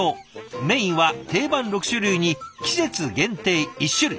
メインは定番６種類に季節限定１種類。